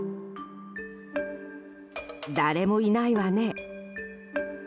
誰もいないわね。